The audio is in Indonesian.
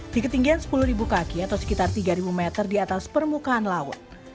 di ketinggian sepuluh kaki atau sekitar tiga meter di atas permukaan laut